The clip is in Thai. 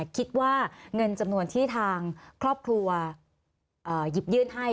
คิดว่าเงินจำนวนที่ทางครอบครัวหยิบยื่นให้